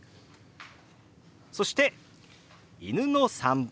そして「犬の散歩」。